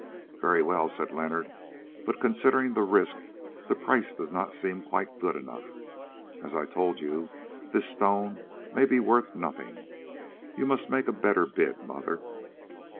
"Very well," said Leonard, "but considering the risks the price does not seem quite good enough. As I told you, this stone may be worth nothing: you must make a better bid, mother."